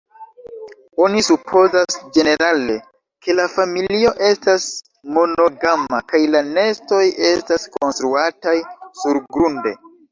Oni supozas ĝenerale, ke la familio estas monogama, kaj la nestoj estas konstruataj surgrunde.